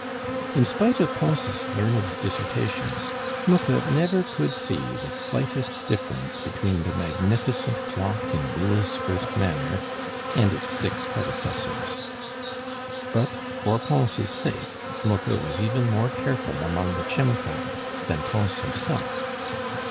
In spite of Pons' learned dissertations, Schmucke never could see the slightest difference between the magnificent clock in Boule's first manner and its six predecessors; but, for Pons' sake, Schmucke was even more careful among the "chimcracks" than Pons himself.